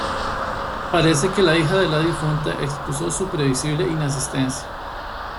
Parece que la hija de la difunta excusó su previsible inasistencia